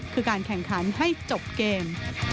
คือการแข่งขันให้จบเกม